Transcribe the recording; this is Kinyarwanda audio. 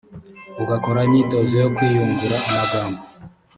ugakora imyitozo yo kwiyungura amagambo